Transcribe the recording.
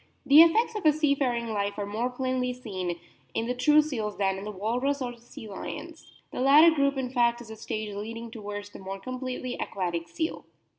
The effects of a seafaring life are more plainly seen in the true seals than in the Walrus or the Sea lions. The latter group in fact is a stage leading towards the more completely aquatic seal.